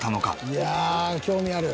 いやあ興味ある。